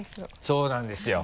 そうなんですよ。